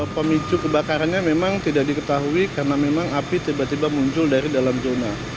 pemicu kebakarannya memang tidak diketahui karena memang api tiba tiba muncul dari dalam zona